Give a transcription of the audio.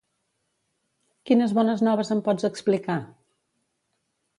Quines bones noves em pots explicar?